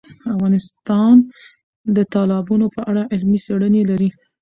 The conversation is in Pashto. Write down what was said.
افغانستان د تالابونه په اړه علمي څېړنې لري.